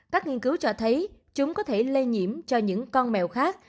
các nghiên cứu cho thấy chúng có thể lây nhiễm cho những con mèo khác